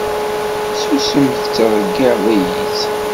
Susem tettreyyiɛeḍ-iyi-tt!